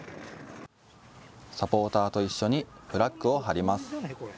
サポーターと一緒にフラッグを張ります。